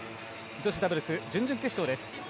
女子ダブルス準々決勝です。